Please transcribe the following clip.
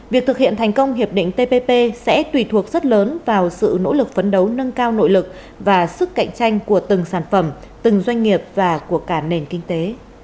việc thực hiện thành công hiệp định tpp sẽ tùy thuộc rất lớn vào sự nỗ lực phấn đấu nâng cao nội lực và sức cạnh tranh của từng sản phẩm từng doanh nghiệp và của cả nền kinh tế